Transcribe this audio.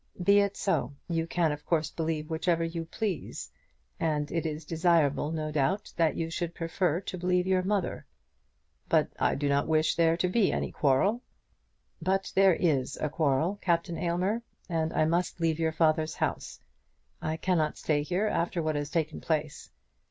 "Be it so; you can of course believe whichever you please, and it is desirable, no doubt, that you should prefer to believe your mother." "But I do not wish there to be any quarrel." "But there is a quarrel, Captain Aylmer, and I must leave your father's house. I cannot stay here after what has taken place.